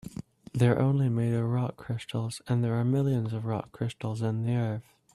They're only made of rock crystal, and there are millions of rock crystals in the earth.